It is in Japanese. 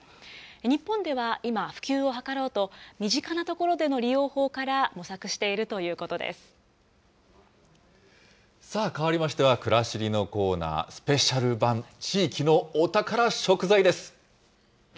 日本では今、普及を図ろうと身近なところでの利用法から模索してさあ、変わりましては、くらしりのコーナー、スペシャル版、地域のお宝食材です。